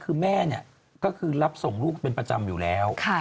คือแม่เนี่ยก็คือรับส่งลูกเป็นประจำอยู่แล้ว